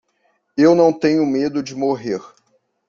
Eu não tenho medo de morrer.